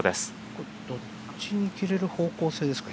これどっちに切れる方向性ですか？